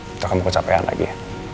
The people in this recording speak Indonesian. bisa kamu kecapean lagi